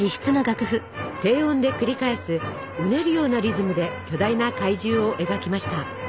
低音で繰り返すうねるようなリズムで巨大な怪獣を描きました。